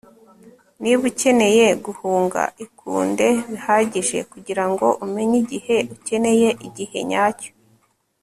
niba ukeneye guhunga, ikunde bihagije kugirango umenye igihe ukeneye igihe nyacyo